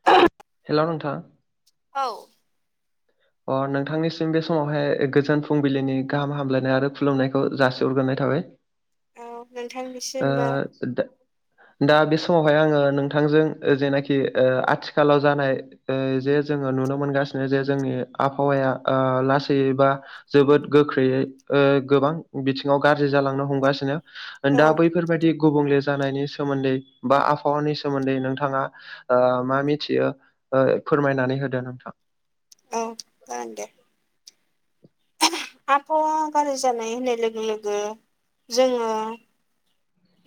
[inaudible] हेल' नोंथां औ अ नोंथांनिसिम बे समावहाय गोजोन फुंबिलिनि गाहाम हामलायनाय आरो खुलुमनायखौ जासिहरग्रोनाय थाबाय औ नोंथांनिसि ओ दा दा बे समावहाय आङो नोंथांजों जेनाखि आथिखालाव जानाय जे जोङो नुनो मोनगासिनो जे जोंनि आबहावाया लासै बा जोबोद गोख्रैयै गोबां बिथिङाव गाज्रि जालांनो हमगासिनो औ दा बैफोरबायदि गुबुंले जानायनि सोमोन्दै बा आबहावानि सोमोन्दै नोंथाङा मा मिथियो फोरमायनानै होदो नोंथां क जागोन दे। आबहावा गारजि जानाय होननाय लोगो लोगो जोङो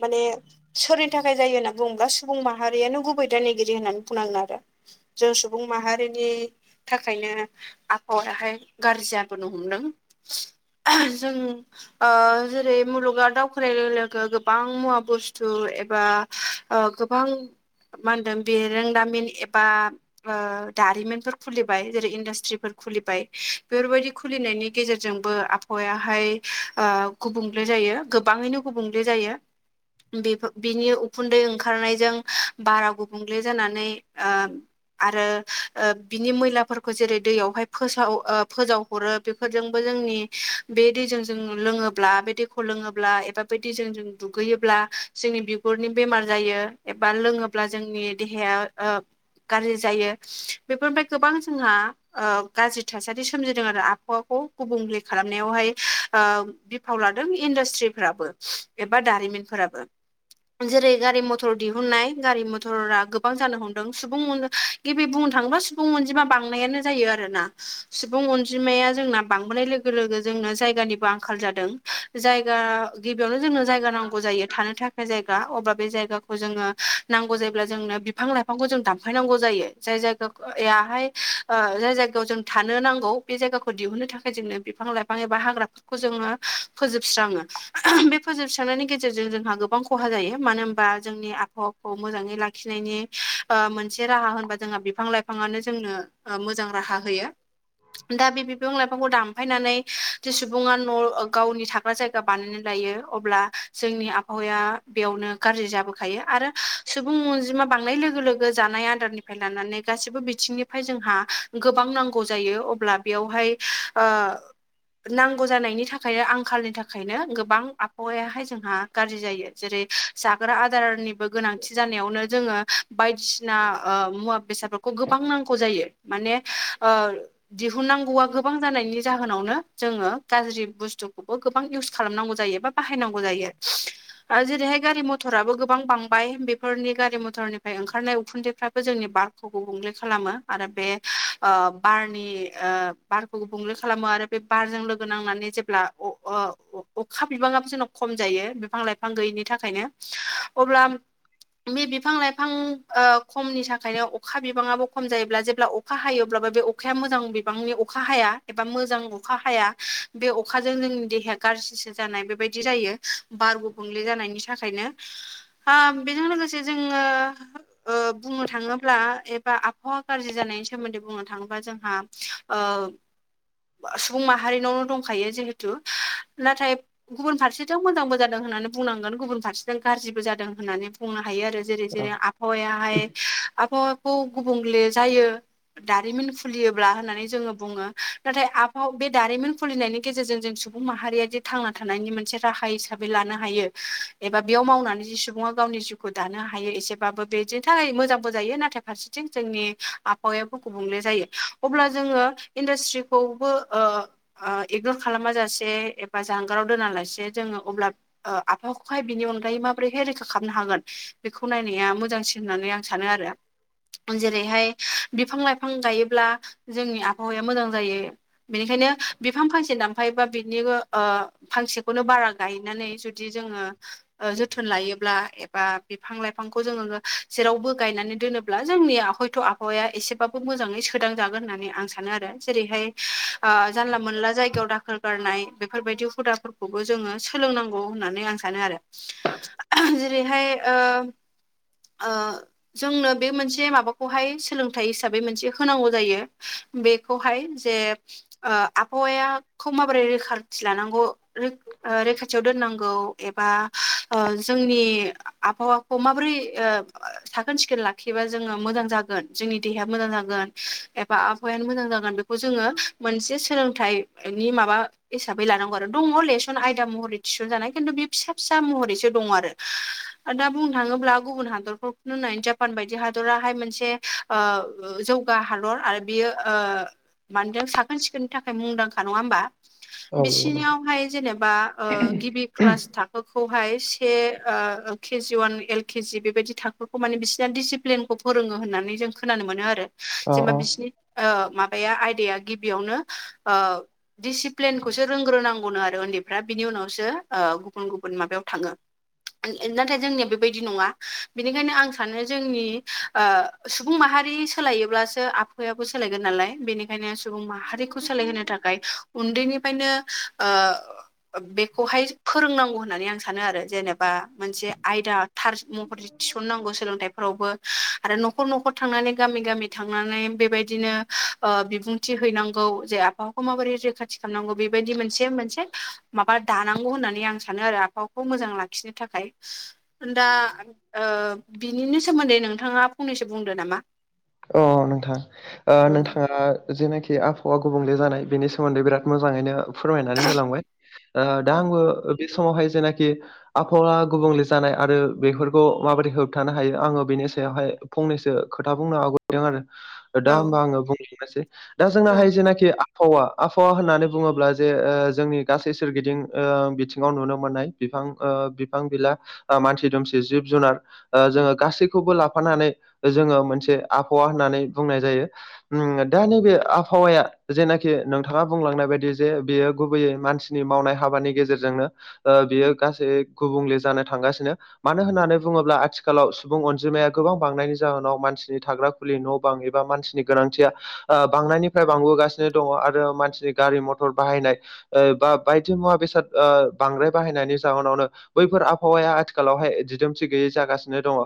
माने सोरनि थाखाय जायो होनना बुङोब्ला सुबुं माहारियानो गुबै दायनिगिरि होननानै बुंनांगोन आरो। जों सुबुं माहारिनि थाखायनो आबहावायाहाय गारजि जाबोनो हमदों जों ओ जेरै मुलुगा दावखोनाय लो लोगो गोब बां मुवा बुस्थु एबा ओ गोबां मा होनदों बेरोंदामिन एबा दारिमिनफोर खुलिबाय जेरै इन्डास्ट्रिफोर खुलिबाय बेफोरबायदि खुलिनायनि गेजेरजोंबो आबहावायाहाय ओ गुबुंले जायो गोबाङैनो गुबुंले जायो। बेफो बिनि उखुन्दै ओंखारनायजों बारा गुबुंले जानानै ओ आरो ओ बिनि मैलाफोरखौ जेरै दैयावहाय फोसाव ओ फोजाव हरो बेफोरजोंबो जोंनि बे दैजों जों लोङोब्ला बे दैखौ लोङोब्ला एबा बे दैजों जों दुगैयोब्ला जोंनि बिगुरनि बेमार जायो एबा लोङोब्ला जोंनि देहाया ओ गारज्रि जायो बेफोरनिफ्राय गोबां जोंहा ओ गाज्रि थासारि सोमजिदों आरो आबहावाखौ गुबुंले खालामनायावहाय ओम बिफाव लादों इन्डास्ट्रिफ्राबो एबा दारिमिनफोराबो। जेरै गारि मथर दिहुननाय गारि मथरा गोबां जानो हमदों सुबुं [unintelligible] गिबि बुंनो थाङोब्ला सुबुं अनजिमा बांनायानो जायो आरो ना। सुबुं अनजिमाया जोंना बांबोनाय लोग गो लोगो जोंनो जायगानिबो आंखाल जादों जायगा गिबियावनो जोङो जायगा नांगौ जायो थानो थाखाय जायगा अबा बे जायाखौ जोङो नांगौ जायोब्ला जोंनो बिफां ला फांखौ जों दानफायनांगौ जायो जाय जायगो याहाय ओ जाय जायगायाव जों थानो नांगौ बे जायगाखौ दिहुनो थाखाय जोंनो बिफां लाइफां एबा हाग्राफोरखौ जोङो फोजोबस्राङो। बे फोजोबस्रांनायनि गेजेरजों जोंहा गोबां खहा जायो मानो होमबा जोंनि आबहावाखौ मोजाङै लाखिनायनि ओ मोनसे राहा होनबा जोंहा बिफां लाइफाङानो जोंनो ओ मोजां राहा होयो। दा बे बिफां लाइफांखौ दामफायनानै जे सुबुङा न' ओ गावनि थाग्रा जायगा बानायनानै लायो। अब्ला जोंनि आबहावाया बेयावनो गारजि जाबोखायो आरो सुबुं अनजिमा बांनाय लोगो लोगो ओ जानाय आदारनिफ्राय लानानै गासिबो बिथिंनिफ्राय जोंहा गोबां नांगौ जायो अब्ला बेयावहाय ओ नांगौ जानायनि थाखाय आंखालनि थाखायनो गोबां आ हौवायाहाय जोंहा गाज्रि जायो जेरै जाग्रा आदारनिबो गोनांथि जानायावनो जोङो बायदिसिना मुवा बेसादफोरखौ गोबां नांगौ जायो माने ओ दिहुननांगौ आ गोबां जानायनि जाहोनावनो जोङो गाज्रि बुस्थुखौबो गोबां इउस खालामनांगौ जायो बा बाहाय नांगौ जायो। आ जेरैहाय गारि मथराबो गोबां बांबाय बेफोरनि गारि मथरनिफ्राय ओंखारनाय उखुन्दैफ्राबो जोंनि बार्क खौ गुबुंले खालामो आरो बे ओ बारनि ओ बारखौ गुबुंले खालामो आरो बे बारजों लोगो नांनानै जेब्ला अ आ अखा बिबाङा जोंनाव खम जायो बिफां लाइफां गैयिनि थाखायनो अब्ला बे बिफां लाइफां ओ खमनि थाखायनो अखा बिबाङाबो खम जायोब्ला जेब्ला अ अखा हायोब्लाबो बे अखाया मोजां बिबांनि अखा हाया एबा मोजां अखा हाया। बे अखाजों जोंनि देहाया गारजिसो जानाय बेबाय दि जायो बार गुबुंले जानायनि थाखायनो। हा बेजों लोगोसे जोङो ओ‌ बुङो थाङोब्ला एबा आबहावा गारजि जानायनि सोमोन्दै बुङो थाङोबा जोंहा ओ बा सुबुं माहारिनावनो दंखायो जिहेथु नाथाय गुबुन फारसेथिं मोजांबो जादों होननानै बुंनांगोन गुबुन फारसेथि गारजिबो जादों होननानै बुंनो हायो आरो। जेरै औ जेरै आबहावायाहाय आबहावाखौ गुबुंले जायो दारिमिन खुलियोब्ला होननानै जोङो बुङो नाथाय आबहाव बे दारिमिन खुलिनायनि गेजेरजों जों सु बुं माहारिया जे थांना थांनायनि मोनसे राहा हिसाबै लानो हायो एबा बेयाव मावनानै जि सुबुङा गावनि जिउ खौ दानो हायो एसेबाबो बेजे थाखाय मोजांबो जायो नाथाय फारसेथिं जोंनि आबहावायाबो गुबुंले जायो अब्ला जोङो इन्डास्ट्रिखौबो ओ ओ इगनर खालाम जासे एबा जान गाराव दोनालासे जोङो अब्ला आफाखौहाय बिनि अनगायै माबोरैहाय रैखा खालामनो हागोन बेखौ नायनाया मोजांसिन होननानै आं सानो आरो जेरैहाय बिफां लाइफां गायोब्ला जोंनि आबहावाया मोजां जायो बेनिखायनो बिफां फांसे दामफायो बा बिनिबो ओ फांसेखौनो बारा गायनानै जुदि जोङो ओ जोथोन लायोब्ला एबा बिफां लाइफांखौ जोङो जेरावबो गायनानै दोनो अब्ला जोंनिया हयथ' आबहावाया एसेबाबो मोजाङै सोदांजागोन होननानै आं सानो आरो जेरैहाय आ जानला मोनला जायगायाव दाखोर गारनाय बेफोरबायदि हुदाफोरखौबो जोङो सोलोंनांगौ होननानै आं सानो आरो जेरैहाय ओ जोंनो बे मोनसे माबाखौहाय सोलोंथाइ हिसाबै मोनसे होनांगौ जायो बेखौहाय जे ओ आबहावायाखौ माबोरै रैखाथि लानांगौ [unintelligible] रैखाथियाव दोननांगौ एबा ओ जोंनि आबहावाखौ माबोरै साखोन सिखोन लाखियोबा जोङो मोजां जागोन जोंनि देहाया मोजां जागोन एबा आबहावायानो मोजां जागोन बे खौ जोङो मोनसे सोलोंथाइनि माबा हिसाबै लानांगौ आरो दङ लेसन आयदा महरै थिसन जानाय खिन्थु बे फिसा फिसा महरैसो दङ आरो दा बुंनो थाङोब्ला गुबुन हादरफोरफोरखौ नाय जापान बायदि हादराहाय मोनसे ओ जौगा हादर आरो बियो ओ मानदों साखोन सिखोननि थाखाय मुंदांखा नङा होमबा औ नंगौ नोंथां बिसिनियाव फाय जेनेबा ओ गिबि क्लास थाखोखौहाय से ओ केजि अवान एल के जि बेबायदि थाखोखौ माने बिसिना डिसिप्लिनखौ फोरोङो होननानै जों खोनानो मोनो आरो औ जेनेबा औ बिसि ओ माबाया आयदाया गिबियावनो ओ दिडिसिप्लिनखौसो रोंग्रोनांगौ बनो आरो उन्दैफ्रा बिनि उनावसो ओ गुबुन गुबुन माबायाव थाङो नाथाय जोंनिया बेबायदि नङा बेनिखायनो आं सानो जोंनि ओ सुबुं माहारि सोलायोब्लासो आबहावायाबो सोलायगोन नालाय बेनिखायनो सुबुं माहारिखौ सोलायहोनो थाखाय उन्दैनिफ्रायनो ओ बेखौहाय फोरोंनांगौ होननानै आं सानो आरो जेनेबा मोनसे आयदा थास महरै थिसननांगौ सोलोंथाइफोरावबो आरो न'खर न'खर थांनानै गामि गामि थांनानै बेबायदिनो ओ बिबुंथि हैनांगौ जे आबहावा माबोरै रैखाथि खालामांगौ बेबायदि मोन मोन मोनसे माबा दानांगौ होननानै आं सानो आरो आबहावाखौ मोजां लाखिनो थाखाय दा ओ बिनिनो सोमोन्दै नोंथाङा फंनैसो बुंदो नामा? अ नोंथां ओ उम नोंथाङा जेनाखि आबावा गुबुंले जानाय बेनि सोमोन्दै बिराद मोजाङैनो फोरमायनानै होलांबाय दा औ आंबो बे समावहाय जेनाखि आबहावा गुबुंले जानाय आरो बेफोरखौ माबोरै होबथानो हायो आङो बेनि सायावहाय फंनैसो खोथा बुंनो आवगायदों आरो दा औ होमबा आङो बुंनो नोसै दा जोंना औ हाय जेनाखि आबहावा आबहावा होननानै बुङोब्ला जे जोंनि गासै सोरगिदिं बिथिङाव नुनो मोननाय बिफां ओ बिफां बिला मानसि दुमसि जिब जुनार जोङो गासैखौबो लाफानानै जोङो मोनसे आबहावा होननानै बुंनाय जायो दा नैबे आबहावाया जेनाखि नोंथाङा बुंलांनाय बायदि जे बियो गुबैयै मानसि नि मावनाय हाबानि गेजेरजोंनो ओ बियो गासै गुबुंले जानो थांगासिनो मानो होननानै बुङोब्ला आथिखालाव सुबुं अनजिमाया गोबां बांनायनि जाहोनाव मानसिनि थाग्रा खुलि न' बां एबा मानसिनि गोनांथिया ओ बांनायनिफ्राय बांबोगासिनो दङ आरो मानसिनि गारि मथर बाहायनाय ओ बा बायदि मुवा बेसाद ओ बांद्राय बाहायनायनि जावनावनो बैफोर आबहावाया आथिखालावहाय दिदोमथि गैयै जागासिनो दङ ओ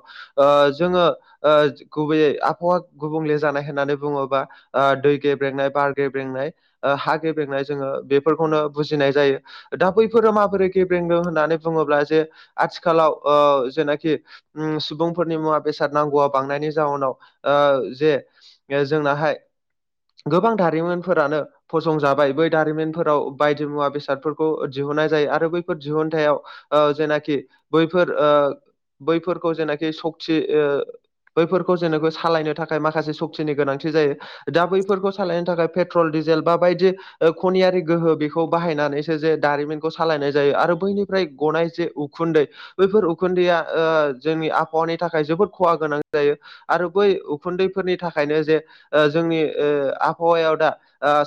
जोङो ओ गुबैयै आबहावा गुबुंले जानाय होननानै बुङोबा ओ दै गेब्रेंनाय बार गेब्रेंनाय ओ हा गेब्रेंनाय जोङो बेफोरखौनो बुजिनाय जायो दा बैफोरो माबोरै गेब्रेंदों होननानै बुङोब्ला जे आथिखालाव ओ जेनाखि उ सुबुंफोरनि मुवा बेसाद नांगौआ बांनायनि जाउनाव ओ जे जोंनाहाय गोबां दारिमिनफोरानो फसंजाबाय बै दारिमिनफोराव बायदि मुवा बेसादफोरखौ दिहुननाय जायो आरो बैफोर दिहुनथायाव ओ जेनाखि बैफोर ओ बैफोरखौ जेनाखि सक्ति ओ बैफोरखौ जेनेबा सालायनो थाखाय माखासे सक्तिनि गोनांथि जायो दा बैफोरखौ सालायनो थाखाय पेट्रल डिजेल बा बायदि खनियारि गोहो बेखौ बाहायनानैसो जे दारिमिनखौ सालायनाय जायो आरो बैनिफ्राय गनाय जे उखुन्दै बैफोर उखुन्दैया जोंनि आबहावानि थाखाय जोबोद खहा गोनां जायो आरो बै उखुन्दैफोरनि थाखायनो जे ओ जोंनि ओ आबहावायाव दा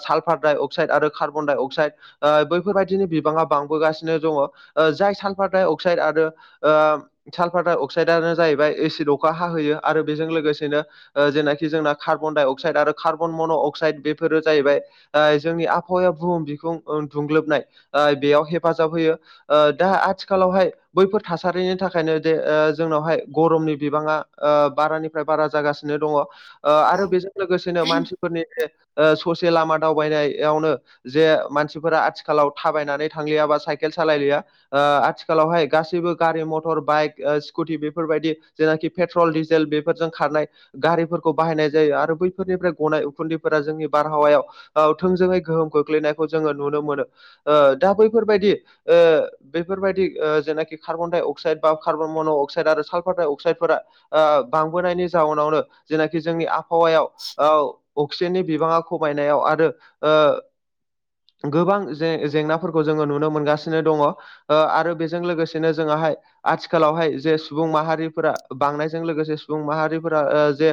साल्फार डाइ अक्साइड आरो कार्बन डाइ अक्साइड ओ बैफोरबायदिनि बिबाङा बांबोगासिनो दङ ओ जाय सालफार डाइ अक्साइड आरो ओ सालफार डाइ अक्साइडआनो जाहैबाय एसिड अखा हाहोयो आरो बेजों लोगोसेनो ओ जेनाखि जोंना कार्बनडाइ अक्साइड आरो कार्बन मन अक्साइद बेफोरो जाहैबाय ओ जोंनि आबहावाया बुहुम बिखुं दुंग्लोबनाय ओ बेयाव हेफाजाब होयो ओ दा आथिखालावहाय बैफोर थासारिनि थाखायनो जे ओ जोंनावहाय गरमनि बिबाङा ओ बारानिफ्राय बारा जागासिनो दङ ओ औ आरो बेजों लोगोसेनो मानसि फोरनि बे ओ ससे लामा दावबायनायावनो जे मानसिफोरा आथिखालाव थाबायनानै थांलिया बा साइकेल सालायलिया ओ आथिखालावहाय गासैबो गारि मथर बाइक ओ स्कुटि बेफोरबायदि जेनाखि पेट्रल डिजेल बेफोरजों खारनाय गारिफोरखौ बाहायनाय जायो आरो बैफोरनिफ्राय गनाय उखुन्दैफोरा जोंनि बारहावायाव औ थोंजोङै गोहोम खोख्लैनायखौ जोङो नुनो मोनो ओ दा बैफोरबायदि ओ बेफोरबायदि ओ जेनाखि कार्बडाइ अक्साइड बा कार्बनमनक्साइड आरो साल्फारडाइ अक्साइडफोरा ओ बांबोनायनि जाउनावनो जेनाखि जोंनि आबहावायाव औ अक्सिजेननि बिबाङा खमायनायाव आरो ओ गोबां जे जेंनाफोरखौ जोङो नुनो मोनगासिनो दङ ओ आरो बेजों लोगोसेनो जोंहाय आथिखालावहाय जे सुबुं माहारिफोरा बांनायजों लोगोसे सुबुं माहारिफोरा ओ जे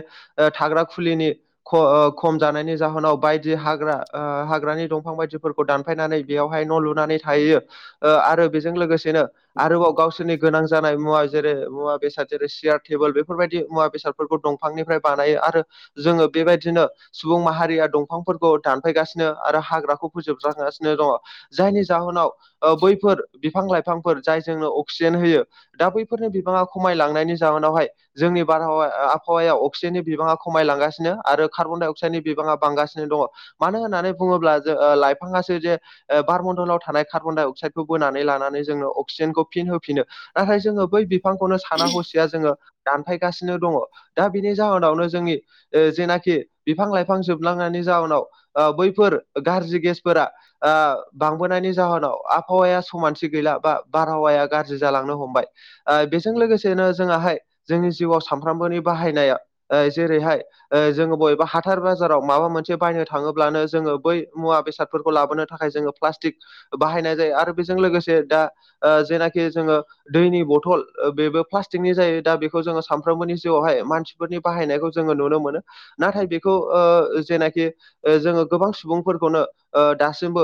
थाग्रा खुलिनि ख ओ खम जानायनि जाहोनाव बायदि हाग्रा ओ हाग्रानि दंफां बायदिफोरखौ दानफायनानै बेयावहाय न' लुनानै थाहैयो ओ आरो बेजों लोगोसेनो आरोबाव गावसोरनि गोनां जानाय मुवा जेरै मुवा बेसाद जेरै सियार टेबोल बेफोरबायदि मुवा बेसादफोरखौ दंफांनिफ्राय बानायो आरो जोङो बेबायदिनो सुबुं माहारिया दंफांफोरखौ दानफायगासिनो आरो हाग्राखौ फोजोबस्रांगासिनो दङ जायनि जाहोनाव ओ बैफोर बिफां लाइफांफोर जाय जोंनो अक्सिजेन होयो दा बैफोरनो बिबाङा खमायलांनायनि जावनावहाय जोंनि बारहावाया आबहावाया अक्सिजेननि बिबाङा खमायलांगासिनो आरो कार्बन डाइ अक्साइडनि बिबाङा बांगासिनो दङ मानो होननानै बुङोब्ला जों लाइफाङासो जे बारमन्दलाव थानाय कार्बन डाइ अक्साइदखौ बोनानै लानानै जोंनो अक्सिजेनखौ फिन होफिनो नाथाय जोङो बै बिफांखौनो साना हसिया जोङो दानफायगासिनो दङ दा बेनि जाहोनावनो जोंनि ओ जेनाखि बिफां लाइफां जोबलांनायनि जावनाव ओ बैफोर गाज्रि गेसफोरा आ बांबोनायनि जाहोनाव आबहावाया समानथि गैला बा बारहावाया गाज्रि जालांनो हमबाय आ बेजों लोगोसेनो जोंहाय जोंनि जिउआव सानफ्रामबोनि बाहायनाया आ जेरैहाय ओ जोङो बबेबा हाथार बाजाराव माबा मोनसे बायनो थाङोब्लानो जोङो बै मुवा बेसादफोरखौ लाबोनो थाखाय जोङो प्लास्टिक बाहायनाय जायो आरो बेजों लोगोसे दा जेनाखि जोङो दैनि बथल बेबो प्लास्टिक थिंनि जायो दा बेखौ जोङो सानफ्रोमबोनि जिउआवहाय मानसिफोरनि बाहायनायखौ जोङो नुनो मोनो। नाथाय बेखौ जेनाखि जोङो गोबां सुबुंफोरखौनो दासिमबो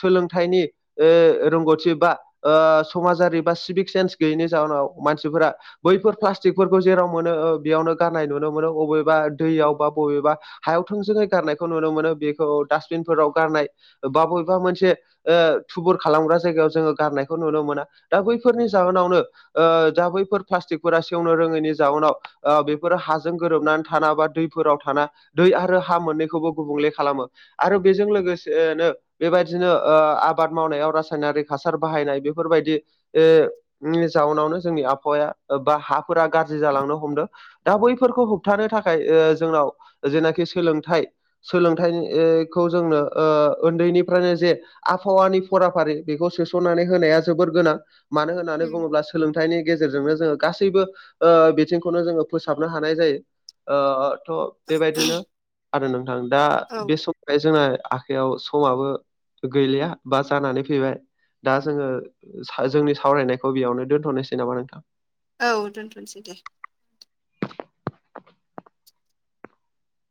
सोलोंथाइनि ओ रोंगौथि बा समाजारि बा सिभिक सेन्स गैयैनि जाहोनाव मानसिफोरा बैफोर प्लास्टिकफोरखौ जेराव मोनो बेयावनो गारनाय नुनो मोनो बबेबा दैयाव बा बबेबा हायाव थोंजोङै गारनायखौ नुनो मोनो बेखौ डास्टबिनफोराव गारनाय बा बबेबा मोनसे। थुबुर खालामग्रा जायगायाव जोङो गारनायखौ नुनो मोना दा बैफोरनि जाहोनावनो ओ दा बैफोर प्लास्टिकफोरा सेवनो रोङैनि जाउनाव। बेफोरो हाजों गोरोबनानै थाना बा दैफोराव थाना दै आरो हा मोननैखौबो गुबुंले खालामो आरो बेजों लोगोसेनो। बेबायदिनो आबाद मावनायाव रासायनारि हासार बाहायनाय बेफोरबायदि ए जाउनावनो जोंनि आबहावाया बा हाफोरा गाज्रि जालांनो हमदों। दा बैफोरखौ होबथानो थाखाय जोंनाव जेनाखि सोलोंथाइ सोलोंथाइखौ जोंनो उन्दैनिफ्रायनो जे आबहावानि फराफारि बेखौ सोसननानै होनाया जोबोर गोनां मानो होननानै उम बुङोब्ला ाइनि गेजेरजोंनो जोङो गासैबो बिथिंखौनो जोङो फोसाबनो हानाय जायो। थ' बेबायदिनो आरो नोंथां दा औ बे समाव ओमफ्राय जोंना आखाइयाव समाबो गैलिया बा जानानै फैबाय दा जोङो जोंनि सावरायनायखौ बेयावनो दोनथ'नोसै नामा नोंथां? औ दोनथ'सै दे।